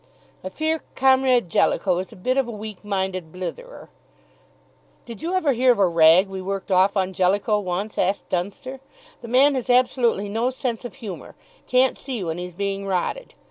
"I fear Comrade Jellicoe is a bit of a weak minded blitherer " "Did you ever hear of a rag we worked off on Jellicoe once?" asked Dunster. "The man has absolutely no sense of humour can't see when he's being rotted.